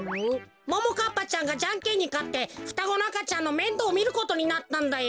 ももかっぱちゃんがじゃんけんにかってふたごのあかちゃんのめんどうみることになったんだよ。